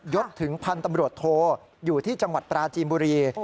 ศถึงพันธุ์ตำรวจโทอยู่ที่จังหวัดปราจีนบุรี